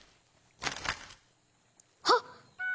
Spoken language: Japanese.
はっ！